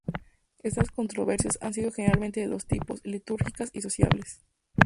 Estas controversias han sido generalmente de dos tipos: litúrgicas y sociales.